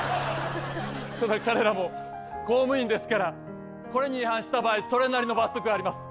そら彼らも公務員ですからこれに違反した場合それなりの罰則があります。